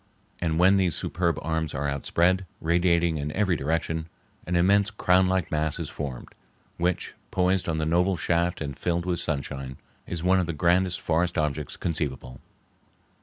And when these superb arms are outspread, radiating in every direction, an immense crownlike mass is formed which, poised on the noble shaft and filled with sunshine, is one of the grandest forest objects conceivable.